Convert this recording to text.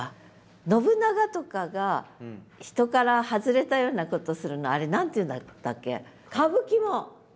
信長とかが人から外れたようなことをするのあれ何て言うんだったっけ？